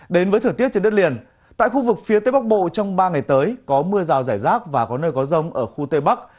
đến với thời tiết trên đất liền tại khu vực phía tây bắc bộ trong ba ngày tới có mưa rào rải rác và có nơi có rông ở khu tây bắc